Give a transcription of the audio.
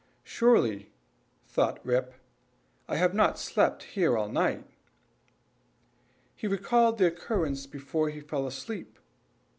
"Surely," thought Rip, "I have not slept here all night." He recalled the occurrences before he fell asleep.